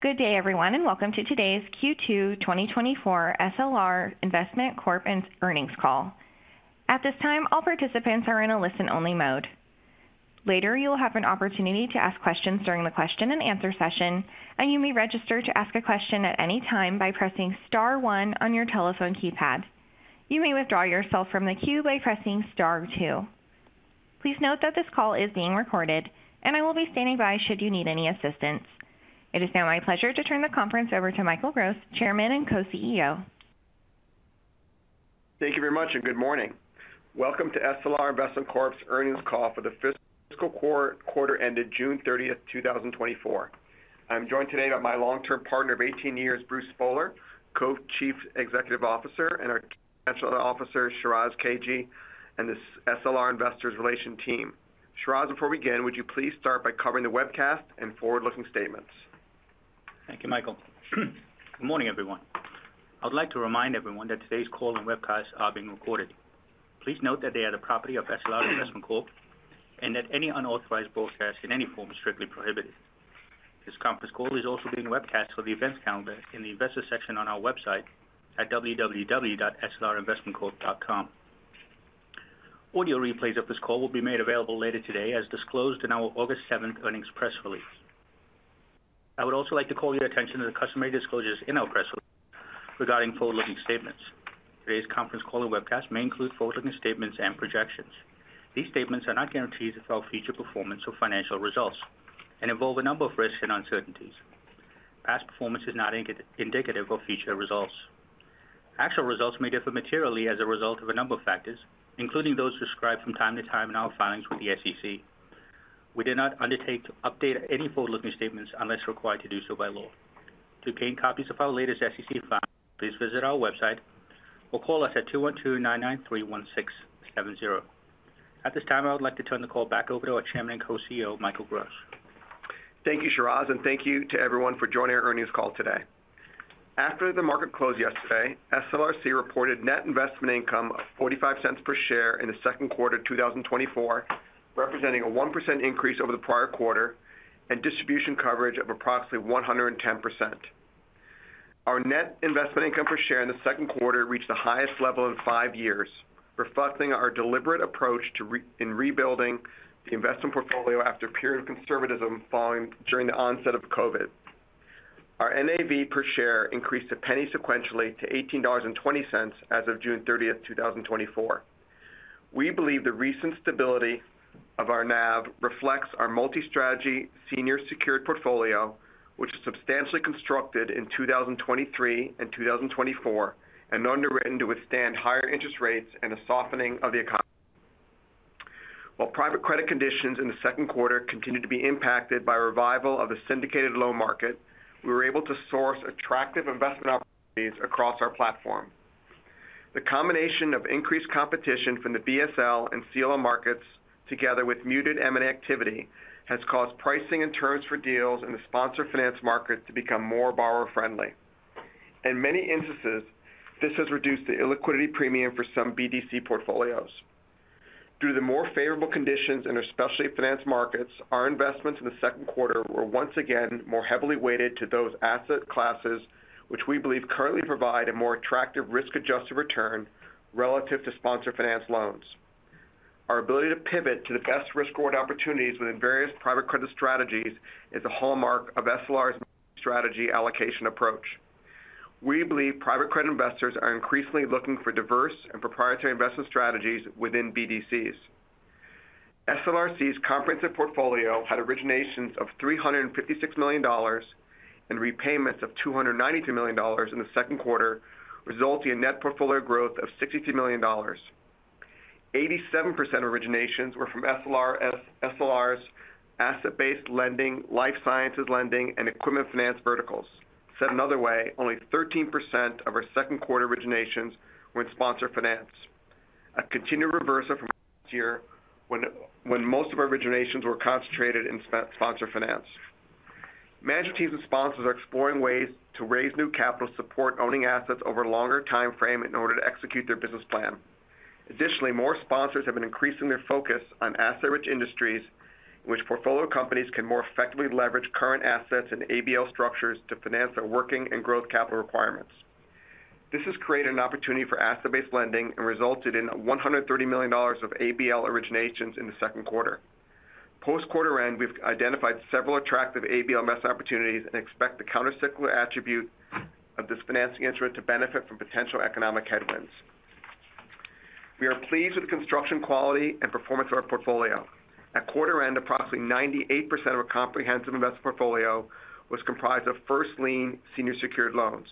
Good day, everyone, and welcome to today's Q2 2024 SLR Investment Corp's earnings call. At this time, all participants are in a listen-only mode. Later, you will have an opportunity to ask questions during the question and answer session, and you may register to ask a question at any time by pressing star one on your telephone keypad. You may withdraw yourself from the queue by pressing star two. Please note that this call is being recorded, and I will be standing by should you need any assistance. It is now my pleasure to turn the conference over to Michael Gross, Chairman and Co-CEO. Thank you very much, and good morning. Welcome to SLR Investment Corp's earnings call for the fiscal quarter, quarter ended June 30, 2024. I'm joined today by my long-term partner of 18 years, Bruce Spohler, Co-Chief Executive Officer, and our Financial Officer, Shiraz Kajee, and the SLR Investor Relations team. Shiraz, before we begin, would you please start by covering the webcast and forward-looking statements? Thank you, Michael. Good morning, everyone. I would like to remind everyone that today's call and webcast are being recorded. Please note that they are the property of SLR Investment Corp, and that any unauthorized broadcast in any form is strictly prohibited. This conference call is also being webcast for the events calendar in the investor section on our website at www.slrinvestmentcorp.com. Audio replays of this call will be made available later today, as disclosed in our August seventh earnings press release. I would also like to call your attention to the customary disclosures in our press release regarding forward-looking statements. Today's conference call and webcast may include forward-looking statements and projections. These statements are not guarantees of our future performance or financial results and involve a number of risks and uncertainties. Past performance is not indicative of future results. Actual results may differ materially as a result of a number of factors, including those described from time to time in our filings with the SEC. We do not undertake to update any forward-looking statements unless required to do so by law. To gain copies of our latest SEC filings, please visit our website or call us at 212-993-1670. At this time, I would like to turn the call back over to our Chairman and Co-CEO, Michael Gross. Thank you, Shiraz, and thank you to everyone for joining our earnings call today. After the market closed yesterday, SLRC reported net investment income of $0.45 per share in the second quarter of 2024, representing a 1% increase over the prior quarter and distribution coverage of approximately 110%. Our net investment income per share in the second quarter reached the highest level in five years, reflecting our deliberate approach to rebuilding the investment portfolio after a period of conservatism following during the onset of COVID. Our NAV per share increased $0.01 sequentially to $18.20 as of June 30, 2024. We believe the recent stability of our NAV reflects our multi-strategy senior secured portfolio, which is substantially constructed in 2023 and 2024, and underwritten to withstand higher interest rates and a softening of the economy. While private credit conditions in the second quarter continued to be impacted by a revival of the syndicated loan market, we were able to source attractive investment opportunities across our platform. The combination of increased competition from the BSL and CLO markets, together with muted M&A activity, has caused pricing and terms for deals in the sponsor finance market to become more borrower-friendly. In many instances, this has reduced the illiquidity premium for some BDC portfolios. Through the more favorable conditions in our specialty finance markets, our investments in the second quarter were once again more heavily weighted to those asset classes, which we believe currently provide a more attractive risk-adjusted return relative to sponsor finance loans. Our ability to pivot to the best risk-reward opportunities within various private credit strategies is a hallmark of SLR's strategy allocation approach. We believe private credit investors are increasingly looking for diverse and proprietary investment strategies within BDCs. SLRC's comprehensive portfolio had originations of $356 million and repayments of $292 million in the second quarter, resulting in net portfolio growth of $62 million. 87% of originations were from SLR, SLR's asset-based lending, life sciences lending, and equipment finance verticals. Said another way, only 13% of our second quarter originations were in sponsor finance, a continued reversal from last year when most of our originations were concentrated in sponsor finance. Management teams and sponsors are exploring ways to raise new capital support, owning assets over a longer timeframe in order to execute their business plan. Additionally, more sponsors have been increasing their focus on asset-rich industries, in which portfolio companies can more effectively leverage current assets and ABL structures to finance their working and growth capital requirements. This has created an opportunity for asset-based lending and resulted in $130 million of ABL originations in the second quarter. Post-quarter end, we've identified several attractive ABL opportunities and expect the countercyclical attribute of this financing instrument to benefit from potential economic headwinds. We are pleased with the construction quality and performance of our portfolio. At quarter end, approximately 98% of our comprehensive investment portfolio was comprised of first-lien senior secured loans.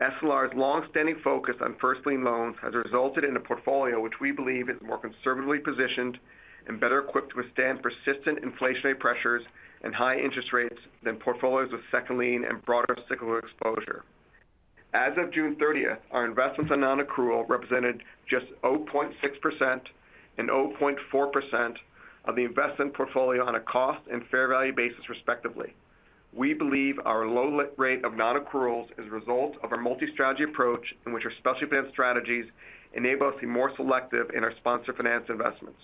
SLR's long-standing focus on first-lien loans has resulted in a portfolio which we believe is more conservatively positioned and better equipped to withstand persistent inflationary pressures and high interest rates than portfolios with second lien and broader cyclical exposure. As of June 30th, our investments on non-accrual represented just 0.6% and 0.4% of the investment portfolio on a cost and fair value basis, respectively. We believe our low rate of non-accruals is a result of our multi-strategy approach, in which our specialty finance strategies enable us to be more selective in our sponsor finance investments.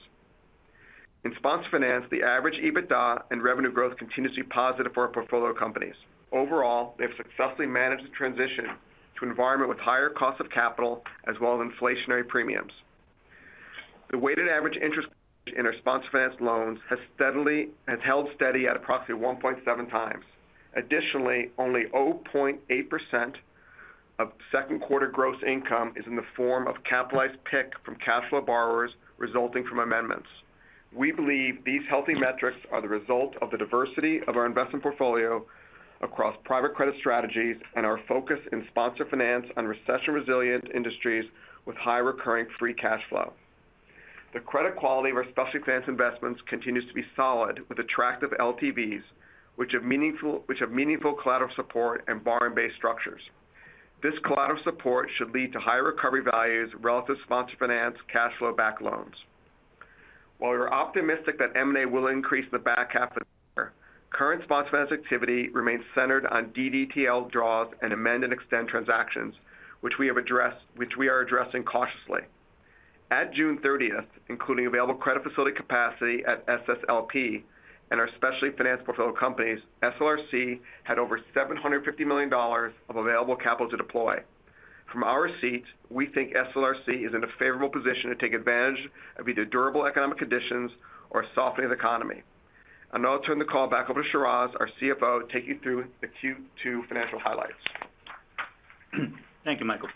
In sponsor finance, the average EBITDA and revenue growth continues to be positive for our portfolio companies. Overall, they have successfully managed the transition to environment with higher cost of capital as well as inflationary premiums. The weighted average leverage in our sponsor finance loans has held steady at approximately 1.7x. Additionally, only 0.8% of second quarter gross income is in the form of capitalized PIK from cash flow borrowers resulting from amendments. We believe these healthy metrics are the result of the diversity of our investment portfolio across private credit strategies and our focus in sponsor finance on recession-resilient industries with high recurring free cash flow. The credit quality of our specialty finance investments continues to be solid, with attractive LTVs, which have meaningful collateral support and borrower-based structures. This collateral support should lead to higher recovery values relative to sponsor-finance cash-flow-backed loans. While we are optimistic that M&A will increase in the back half of the year, current sponsor-finance activity remains centered on DDTL draws and amend-and-extend transactions, which we are addressing cautiously. At June 30th, including available credit facility capacity at SSLP and our specialty finance portfolio companies, SLRC had over $750 million of available capital to deploy. From our perspective, we think SLRC is in a favorable position to take advantage of either durable economic conditions or a softening of the economy. Now I'll turn the call back over to Shiraz, our CFO, to take you through the Q2 financial highlights. Thank you, Michael.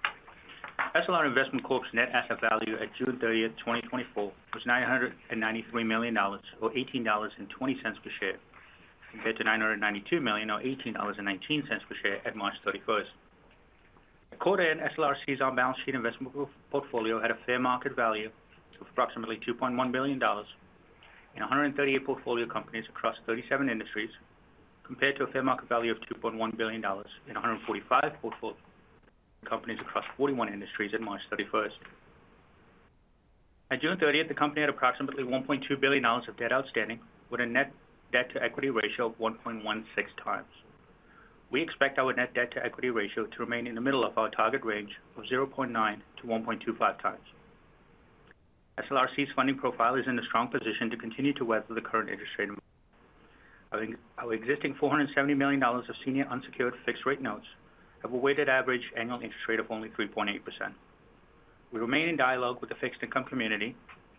SLR Investment Corp's net asset value at June 30, 2024, was $993 million, or $18.20 per share, compared to $992 million, or $18.19 per share at March 31. At quarter end, SLRC's on-balance sheet investment portfolio had a fair market value of approximately $2.1 billion in 138 portfolio companies across 37 industries, compared to a fair market value of $2.1 billion in 145 portfolio companies across 41 industries at March 31. At June 30, 2024, the company had approximately $1.2 billion of debt outstanding, with a net debt-to-equity ratio of 1.16 times. We expect our net debt-to-equity ratio to remain in the middle of our target range of 0.9-1.25 times. SLRC's funding profile is in a strong position to continue to weather the current interest rate. Our existing $470 million of senior unsecured fixed rate notes have a weighted average annual interest rate of only 3.8%. We remain in dialogue with the fixed income community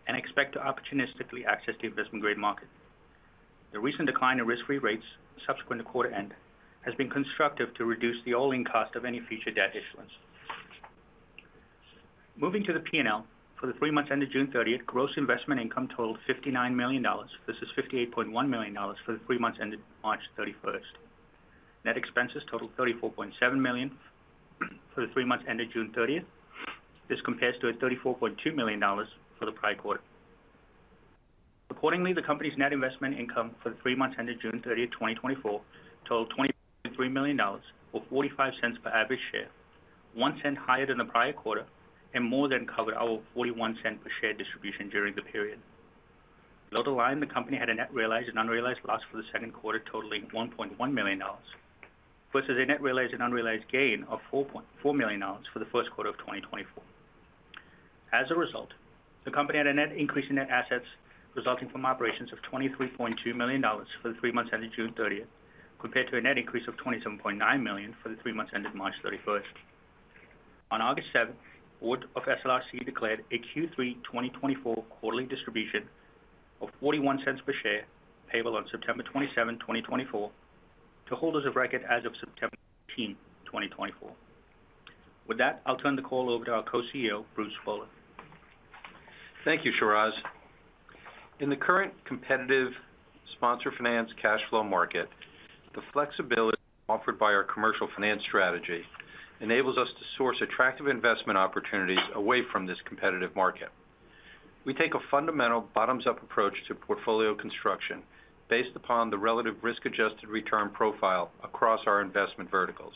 and expect to opportunistically access the investment-grade market. The recent decline in risk-free rates subsequent to quarter end has been constructive to reduce the all-in cost of any future debt issuance. Moving to the P&L, for the three months ended June 30, gross investment income totaled $59 million. This is $58.1 million for the three months ended March 31. Net expenses totaled $34.7 million for the three months ended June 30. This compares to $34.2 million for the prior quarter. Accordingly, the company's net investment income for the three months ended June 30, 2024, totaled $23 million, or $0.45 per average share, $0.01 higher than the prior quarter, and more than covered our $0.41 per share distribution during the period. Below the line, the company had a net realized and unrealized loss for the second quarter, totaling $1.1 million, versus a net realized and unrealized gain of $4.4 million for the first quarter of 2024. As a result, the company had a net increase in net assets resulting from operations of $23.2 million for the three months ended June 30, compared to a net increase of $27.9 million for the three months ended March 31. On August 7, Board of SLRC declared a Q3 2024 quarterly distribution of $0.41 per share, payable on September 27, 2024, to holders of record as of September 18, 2024. With that, I'll turn the call over to our co-CEO, Bruce Spohler. Thank you, Shiraz. In the current competitive sponsor finance cash flow market, the flexibility offered by our commercial finance strategy enables us to source attractive investment opportunities away from this competitive market. We take a fundamental bottoms-up approach to portfolio construction based upon the relative risk-adjusted return profile across our investment verticals.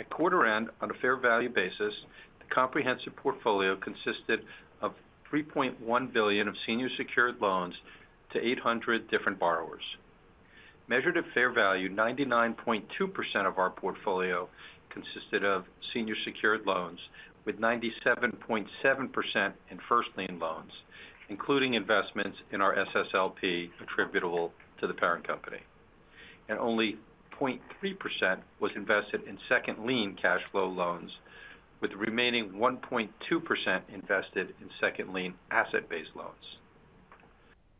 At quarter end, on a fair value basis, the comprehensive portfolio consisted of $3.1 billion of senior secured loans to 800 different borrowers. Measured at fair value, 99.2% of our portfolio consisted of senior secured loans, with 97.7% in first lien loans, including investments in our SSLP attributable to the parent company. And only 0.3% was invested in second lien cash flow loans, with the remaining 1.2% invested in second lien asset-based loans.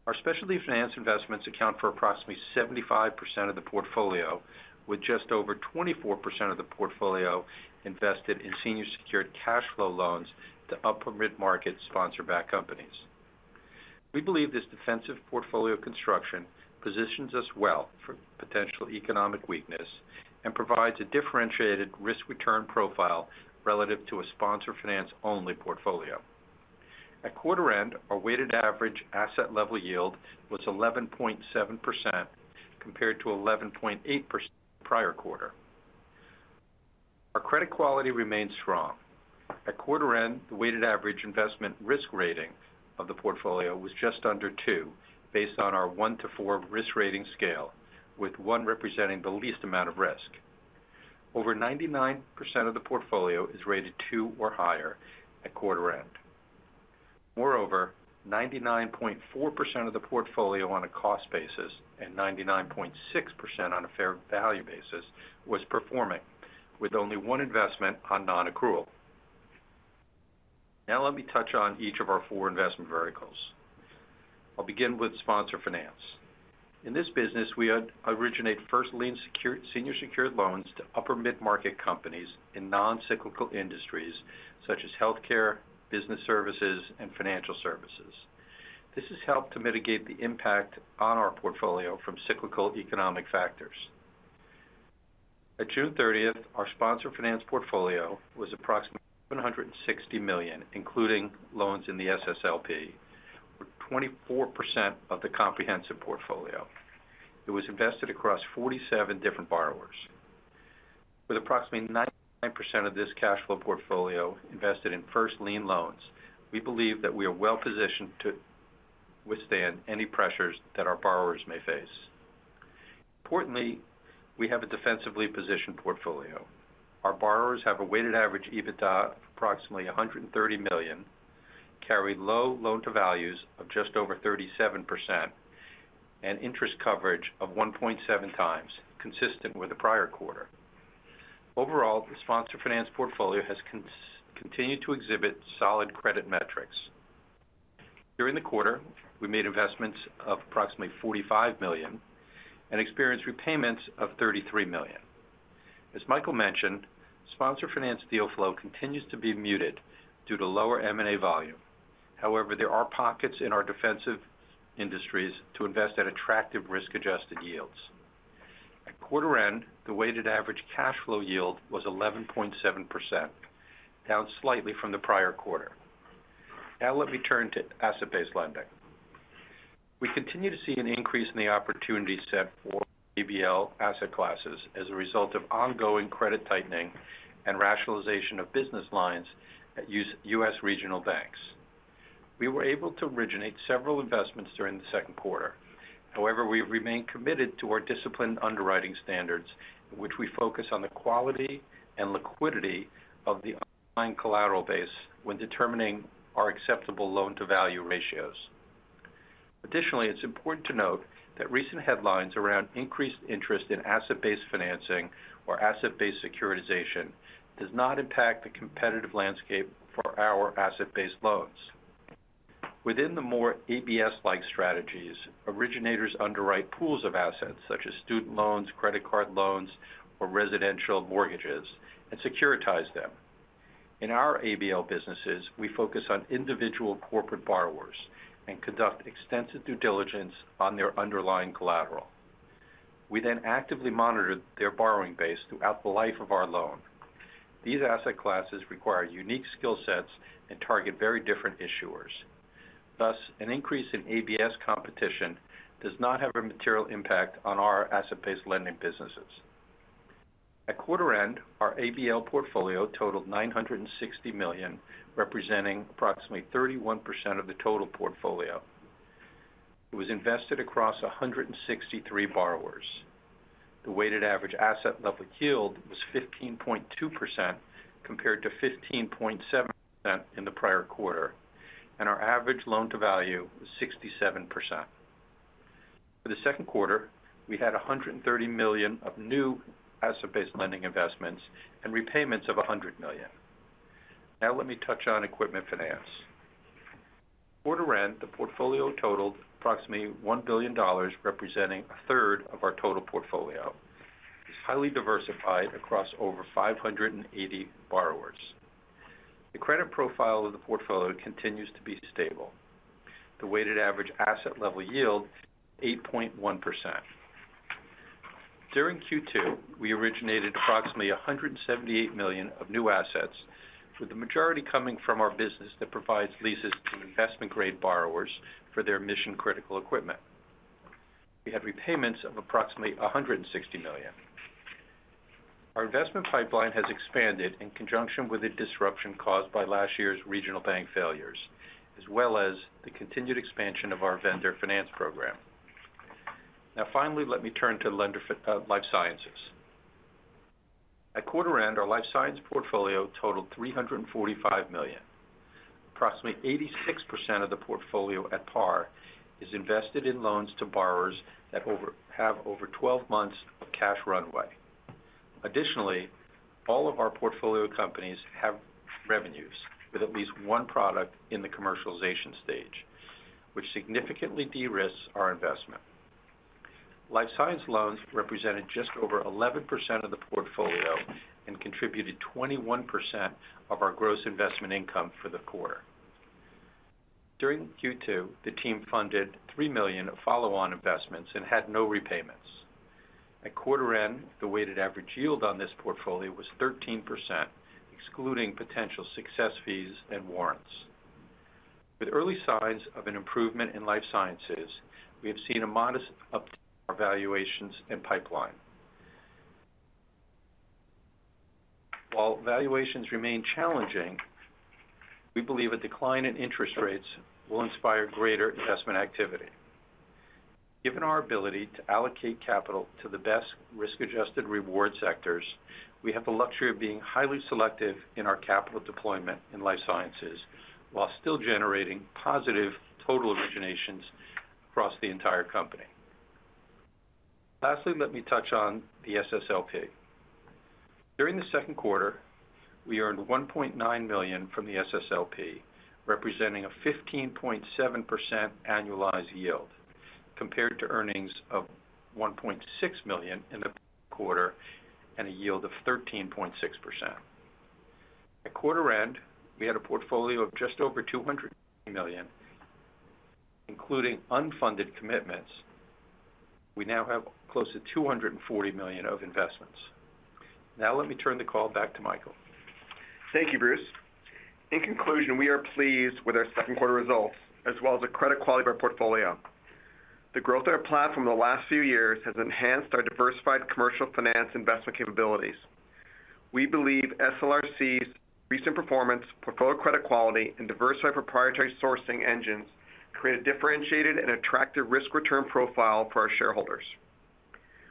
Our specialty finance investments account for approximately 75% of the portfolio, with just over 24% of the portfolio invested in senior secured cash flow loans to upper mid-market sponsor-backed companies. We believe this defensive portfolio construction positions us well for potential economic weakness and provides a differentiated risk-return profile relative to a sponsor finance-only portfolio. At quarter end, our weighted average asset-level yield was 11.7%, compared to 11.8% the prior quarter. Our credit quality remains strong. At quarter end, the weighted average investment risk rating of the portfolio was just under two, based on our one to four risk rating scale, with one representing the least amount of risk. Over 99% of the portfolio is rated two or higher at quarter end. Moreover, 99.4% of the portfolio on a cost basis and 99.6% on a fair value basis was performing with only one investment on non-accrual. Now let me touch on each of our four investment verticals. I'll begin with sponsor finance. In this business, we had originated first lien senior secured loans to upper mid-market companies in non-cyclical industries such as healthcare, business services, and financial services. This has helped to mitigate the impact on our portfolio from cyclical economic factors. At June thirtieth, our sponsor finance portfolio was approximately $760 million, including loans in the SSLP, with 24% of the comprehensive portfolio. It was invested across 47 different borrowers. With approximately 99% of this cash flow portfolio invested in first lien loans, we believe that we are well positioned to withstand any pressures that our borrowers may face. Importantly, we have a defensively positioned portfolio. Our borrowers have a weighted average EBITDA of approximately $130 million, carry low loan to values of just over 37%, and interest coverage of 1.7 times, consistent with the prior quarter. Overall, the sponsor finance portfolio has continued to exhibit solid credit metrics. During the quarter, we made investments of approximately $45 million and experienced repayments of $33 million. As Michael mentioned, sponsor finance deal flow continues to be muted due to lower M&A volume. However, there are pockets in our defensive industries to invest at attractive risk-adjusted yields. At quarter end, the weighted average cash flow yield was 11.7%, down slightly from the prior quarter. Now let me turn to asset-based lending. We continue to see an increase in the opportunity set for ABL asset classes as a result of ongoing credit tightening and rationalization of business lines at U.S. regional banks. We were able to originate several investments during the second quarter. However, we remain committed to our disciplined underwriting standards, in which we focus on the quality and liquidity of the underlying collateral base when determining our acceptable loan-to-value ratios. Additionally, it's important to note that recent headlines around increased interest in asset-based financing or asset-based securitization does not impact the competitive landscape for our asset-based loans. Within the more ABS-like strategies, originators underwrite pools of assets, such as student loans, credit card loans, or residential mortgages, and securitize them. In our ABL businesses, we focus on individual corporate borrowers and conduct extensive due diligence on their underlying collateral. We then actively monitor their borrowing base throughout the life of our loan. These asset classes require unique skill sets and target very different issuers. Thus, an increase in ABS competition does not have a material impact on our asset-based lending businesses. At quarter end, our ABL portfolio totaled $960 million, representing approximately 31% of the total portfolio. It was invested across 163 borrowers. The weighted average asset level yield was 15.2%, compared to 15.7% in the prior quarter, and our average loan-to-value was 67%. For the second quarter, we had $130 million of new asset-based lending investments and repayments of $100 million. Now let me touch on equipment finance. Quarter end, the portfolio totaled approximately $1 billion, representing a third of our total portfolio. It's highly diversified across over 580 borrowers. The credit profile of the portfolio continues to be stable. The weighted average asset level yield, 8.1%. During Q2, we originated approximately $178 million of new assets, with the majority coming from our business that provides leases to investment-grade borrowers for their mission-critical equipment. We had repayments of approximately $160 million. Our investment pipeline has expanded in conjunction with the disruption caused by last year's regional bank failures, as well as the continued expansion of our vendor finance program. Now finally, let me turn to Lender Finance, life sciences. At quarter end, our life science portfolio totaled $345 million. Approximately 86% of the portfolio at par is invested in loans to borrowers that have over 12 months of cash runway. Additionally, all of our portfolio companies have revenues with at least one product in the commercialization stage, which significantly de-risks our investment. Life science loans represented just over 11% of the portfolio and contributed 21% of our gross investment income for the quarter. During Q2, the team funded $3 million of follow-on investments and had no repayments. At quarter end, the weighted average yield on this portfolio was 13%, excluding potential success fees and warrants. With early signs of an improvement in life sciences, we have seen a modest uptick in our valuations and pipeline. While valuations remain challenging, we believe a decline in interest rates will inspire greater investment activity. Given our ability to allocate capital to the best risk-adjusted reward sectors, we have the luxury of being highly selective in our capital deployment in life sciences, while still generating positive total originations across the entire company. Lastly, let me touch on the SSLP. During the second quarter, we earned $1.9 million from the SSLP, representing a 15.7% annualized yield, compared to earnings of $1.6 million in the quarter, and a yield of 13.6%. At quarter end, we had a portfolio of just over $200 million, including unfunded commitments. We now have close to $240 million of investments. Now let me turn the call back to Michael. Thank you, Bruce. In conclusion, we are pleased with our second quarter results as well as the credit quality of our portfolio. The growth of our platform in the last few years has enhanced our diversified commercial finance investment capabilities. We believe SLRC's recent performance, portfolio credit quality, and diversified proprietary sourcing engines create a differentiated and attractive risk-return profile for our shareholders.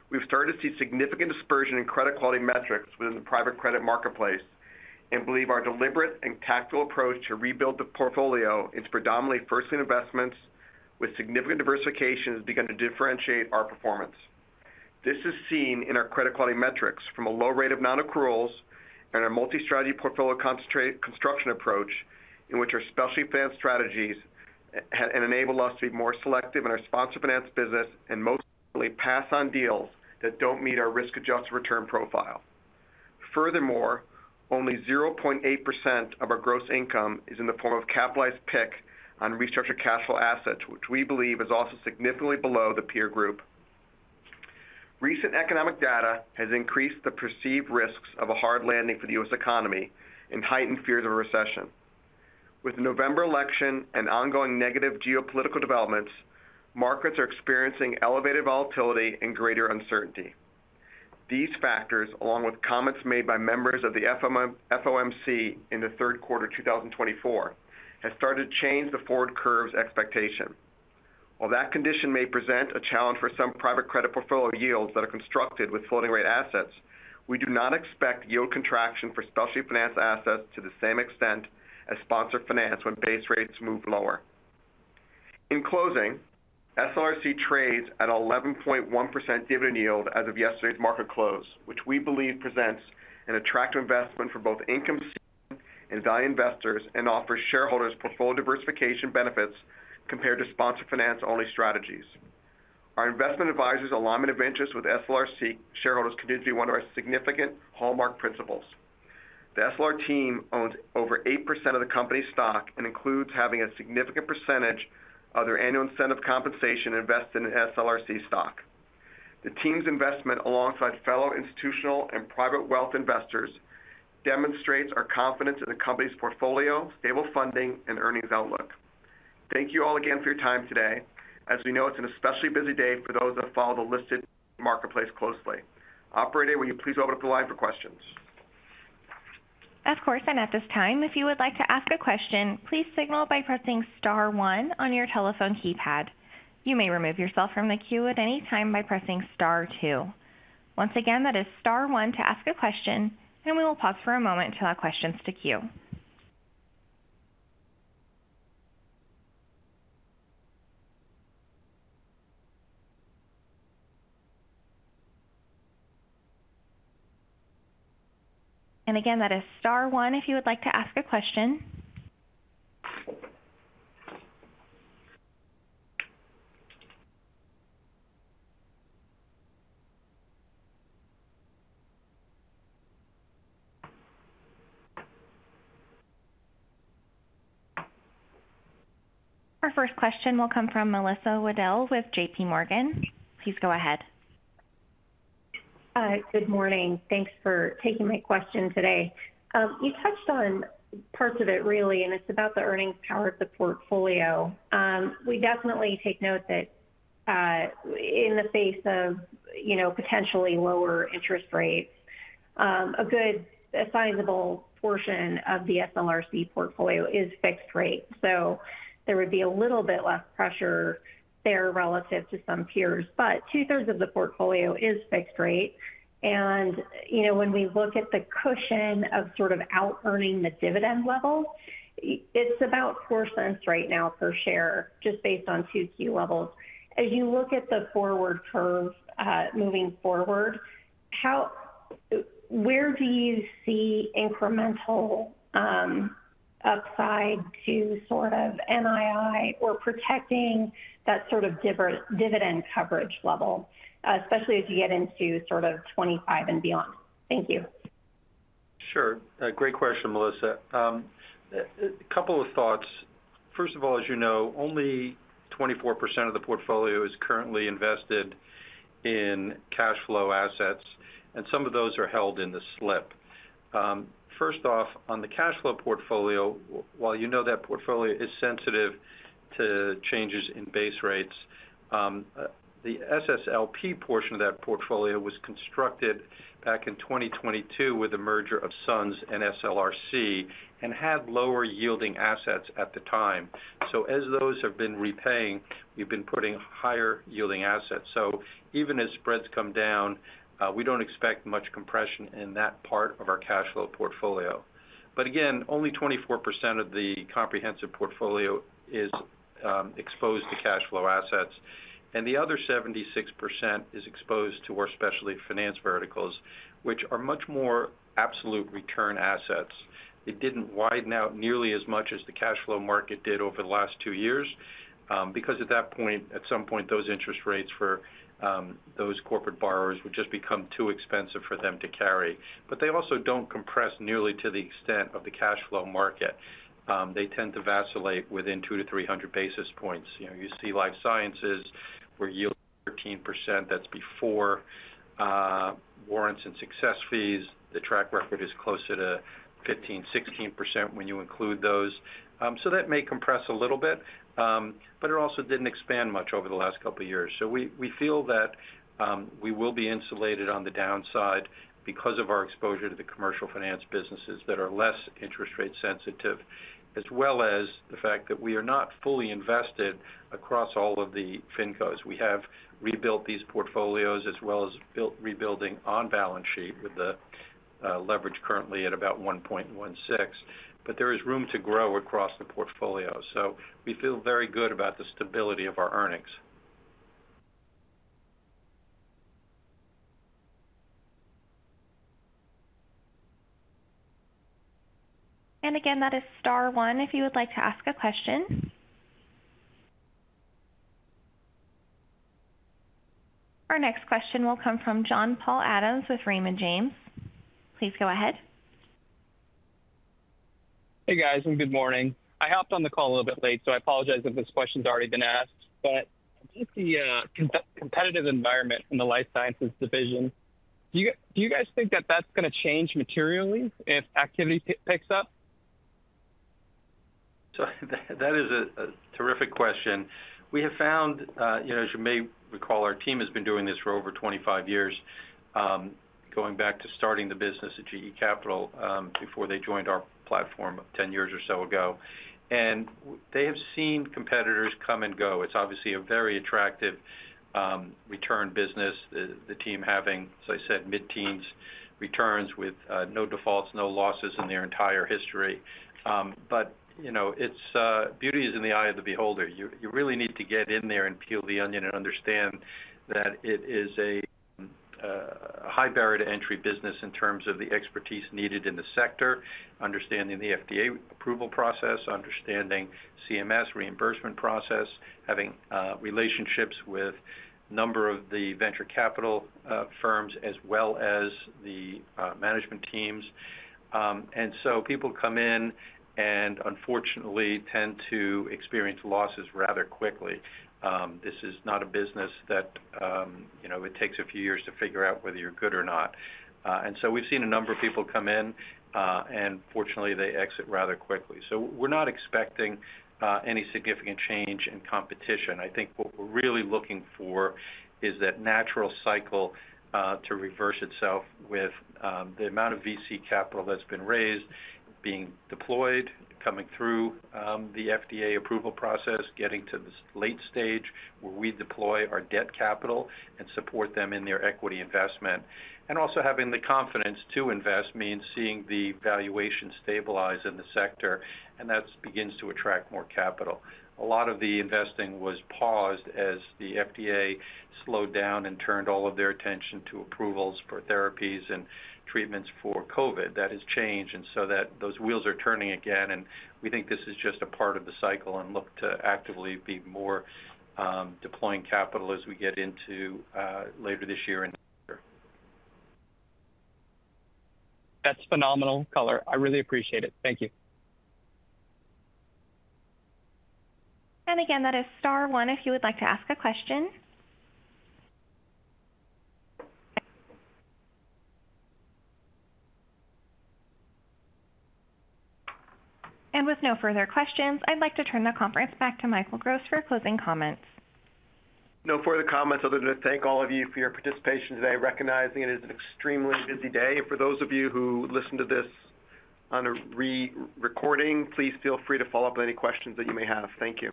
We've started to see significant dispersion in credit quality metrics within the private credit marketplace, and believe our deliberate and tactical approach to rebuild the portfolio is predominantly first lien investments, with significant diversification has begun to differentiate our performance. This is seen in our credit quality metrics from a low rate of non-accruals and our multi-strategy portfolio concentrated construction approach, in which our specialty finance strategies have and enable us to be more selective in our sponsor finance business, and most importantly, pass on deals that don't meet our risk-adjusted return profile. Furthermore, only 0.8% of our gross income is in the form of capitalized PIK on restructured cash flow assets, which we believe is also significantly below the peer group. Recent economic data has increased the perceived risks of a hard landing for the U.S. economy and heightened fears of a recession. With the November election and ongoing negative geopolitical developments, markets are experiencing elevated volatility and greater uncertainty. These factors, along with comments made by members of the FOMC in the third quarter, 2024, have started to change the forward curve's expectation. While that condition may present a challenge for some private credit portfolio yields that are constructed with floating rate assets, we do not expect yield contraction for specialty finance assets to the same extent as sponsor finance when base rates move lower. In closing, SLRC trades at 11.1% dividend yield as of yesterday's market close, which we believe presents an attractive investment for both income and value investors, and offers shareholders portfolio diversification benefits compared to sponsor finance-only strategies. Our investment advisor's alignment of interest with SLRC shareholders continues to be one of our significant hallmark principles. The SLR team owns over 8% of the company's stock and includes having a significant percentage of their annual incentive compensation invested in SLRC stock. The team's investment, alongside fellow institutional and private wealth investors, demonstrates our confidence in the company's portfolio, stable funding, and earnings outlook. Thank you all again for your time today. As we know, it's an especially busy day for those that follow the listed marketplace closely. Operator, will you please open up the line for questions? Of course, and at this time, if you would like to ask a question, please signal by pressing star one on your telephone keypad. You may remove yourself from the queue at any time by pressing star two. Once again, that is star one to ask a question, and we will pause for a moment to allow questions to queue. And again, that is star one if you would like to ask a question. Our first question will come from Melissa Wedel with JP Morgan. Please go ahead. Good morning. Thanks for taking my question today. You touched on parts of it, really, and it's about the earnings power of the portfolio. We definitely take note that, in the face of, you know, potentially lower interest rates, a good sizable portion of the SLRC portfolio is fixed rate. So there would be a little bit less pressure there relative to some peers. But two-thirds of the portfolio is fixed rate, and, you know, when we look at the cushion of sort of outearning the dividend level, it's about $0.04 right now per share, just based on Q2 levels. As you look at the forward curve, moving forward, where do you see incremental upside to sort of NII or protecting that sort of dividend coverage level, especially as you get into sort of 2025 and beyond? Thank you. Sure. Great question, Melissa. A couple of thoughts. First of all, as you know, only 24% of the portfolio is currently invested in cash flow assets, and some of those are held in the SSLP. First off, on the cash flow portfolio, while you know that portfolio is sensitive to changes in base rates, the SSLP portion of that portfolio was constructed back in 2022 with the merger of SUNS and SLRC and had lower yielding assets at the time. So as those have been repaying, we've been putting higher yielding assets. So even as spreads come down, we don't expect much compression in that part of our cash flow portfolio. But again, only 24% of the comprehensive portfolio is exposed to cash flow assets, and the other 76% is exposed to our specialty finance verticals, which are much more absolute return assets. It didn't widen out nearly as much as the cash flow market did over the last two years, because at that point, at some point, those interest rates for those corporate borrowers would just become too expensive for them to carry. But they also don't compress nearly to the extent of the cash flow market. They tend to vacillate within 200-300 basis points. You know, you see life sciences where yield 13%, that's before warrants and success fees. The track record is closer to 15, 16% when you include those. So that may compress a little bit, but it also didn't expand much over the last couple of years. So we, we feel that, we will be insulated on the downside because of our exposure to the commercial finance businesses that are less interest rate sensitive, as well as the fact that we are not fully invested across all of the fincos. We have rebuilt these portfolios as well as rebuilding on balance sheet, with the, leverage currently at about 1.16. But there is room to grow across the portfolio, so we feel very good about the stability of our earnings. And again, that is star one if you would like to ask a question. Our next question will come from Sean-Paul Adams with Raymond James. Please go ahead. Hey, guys, and good morning. I hopped on the call a little bit late, so I apologize if this question's already been asked, but just the competitive environment in the life sciences division, do you guys think that that's gonna change materially if activity picks up? So that is a terrific question. We have found, you know, as you may recall, our team has been doing this for over 25 years, going back to starting the business at GE Capital, before they joined our platform 10 years or so ago. And they have seen competitors come and go. It's obviously a very attractive return business, the team having, as I said, mid-teens returns with no defaults, no losses in their entire history. But, you know, it's beauty is in the eye of the beholder. You really need to get in there and peel the onion and understand that it is a high barrier to entry business in terms of the expertise needed in the sector, understanding the FDA approval process, understanding CMS reimbursement process, having relationships with a number of the venture capital firms, as well as the management teams. And so people come in and unfortunately tend to experience losses rather quickly. This is not a business that, you know, it takes a few years to figure out whether you're good or not. And so we've seen a number of people come in, and fortunately, they exit rather quickly. So we're not expecting any significant change in competition. I think what we're really looking for is that natural cycle to reverse itself with the amount of VC capital that's been raised being deployed, coming through the FDA approval process, getting to this late stage, where we deploy our debt capital and support them in their equity investment. And also having the confidence to invest means seeing the valuation stabilize in the sector, and that begins to attract more capital. A lot of the investing was paused as the FDA slowed down and turned all of their attention to approvals for therapies and treatments for COVID. That has changed, and so that, those wheels are turning again, and we think this is just a part of the cycle and look to actively be more deploying capital as we get into later this year and next year. That's phenomenal color. I really appreciate it. Thank you. Again, that is star one if you would like to ask a question. With no further questions, I'd like to turn the conference back to Michael Gross for closing comments. No further comments other than to thank all of you for your participation today, recognizing it is an extremely busy day. For those of you who listen to this on a re-recording, please feel free to follow up with any questions that you may have. Thank you.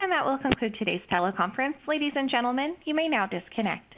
That will conclude today's teleconference. Ladies and gentlemen, you may now disconnect.